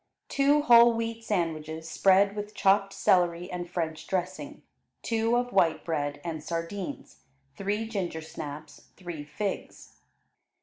Two whole wheat sandwiches spread with chopped celery and French dressing, two of white bread and sardines; three gingersnaps; three figs.